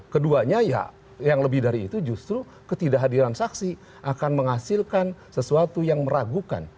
keduanya ya yang lebih dari itu justru ketidakhadiran saksi akan menghasilkan sesuatu yang meragukan